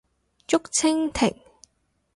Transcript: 竹蜻蜓